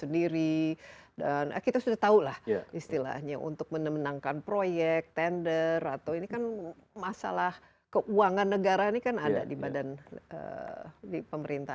dan kita sudah tahu lah istilahnya untuk menemenangkan proyek tender atau ini kan masalah keuangan negara ini kan ada di badan pemerintah